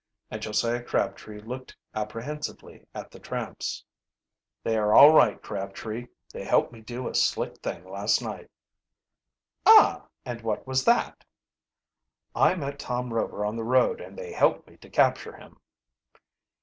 and Josiah Crabtree looked apprehensively at the tramps. "They are all right, Crabtree. They helped me do a slick thing last night." "Ah, and what was that?" "I met Tom Rover on the road and they helped me to capture him."